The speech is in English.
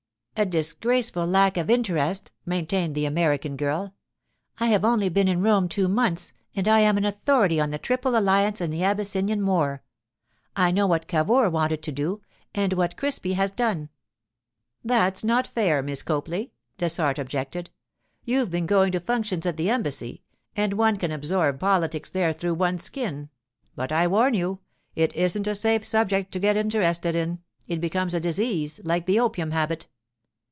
'A disgraceful lack of interest!' maintained the American girl. 'I have only been in Rome two months, and I am an authority on the Triple Alliance and the Abyssinian war; I know what Cavour wanted to do, and what Crispi has done.' 'That's not fair, Miss Copley,' Dessart objected. 'You've been going to functions at the Embassy, and one can absorb politics there through one's skin. But I warn you, it isn't a safe subject to get interested in; it becomes a disease, like the opium habit.